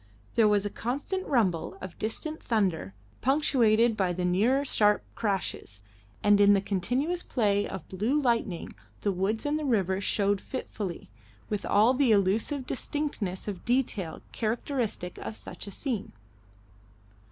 There was a constant rumble of distant thunder punctuated by the nearer sharp crashes, and in the continuous play of blue lightning the woods and the river showed fitfully, with all the elusive distinctness of detail characteristic of such a scene.